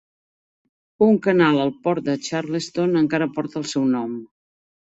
Un canal al port de Charleston encara porta el seu nom.